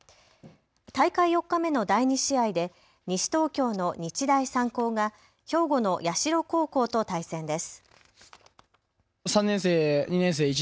大会４日目の第２試合で西東京の日大三高が兵庫の社高校と対戦です。